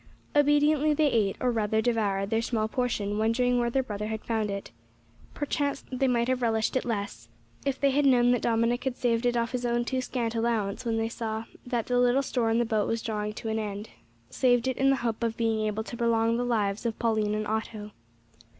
Obediently they ate, or rather devoured, their small portion, wondering where their brother had found it. Perchance they might have relished it less if they had known that Dominick had saved it off his own too scant allowance, when he saw that the little store in the boat was drawing to an end saved it in the hope of being able to prolong the lives of Pauline and Otto.